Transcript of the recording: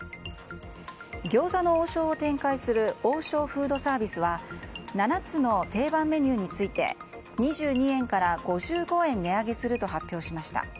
餃子の王将を展開する王将フードサービスは７つの定番メニューについて２２円から５５円値上げすると発表しました。